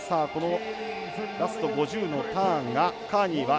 ラスト５０のターンがカーニーは